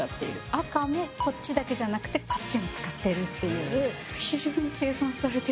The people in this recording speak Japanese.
赤もこっちだけじゃなくてこっちも使っているっていう。